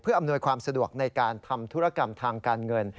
อำนวยความสะดวกในการทำธุรกรรมทางการเงิน